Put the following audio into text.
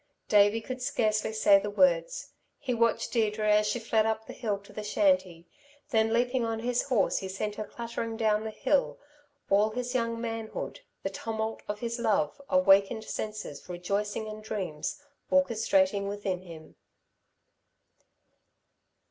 Davey could scarcely say the words. He watched Deirdre as she fled up hill to the shanty; then leaping on his horse he sent her clattering down hill, all his young manhood the tumult of his love, awakened senses, rejoicing and dreams orchestrating within him.